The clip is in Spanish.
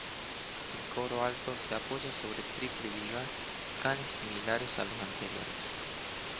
El coro alto se apoya sobre triple viga y canes similares a los anteriores.